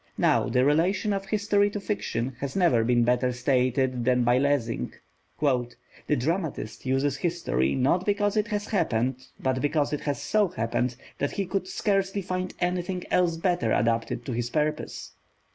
Now the relation of History to Fiction has never been better stated than by Lessing: "The dramatist uses history, not because it has happened, but because it has so happened that he could scarcely find anything else better adapted to his purpose."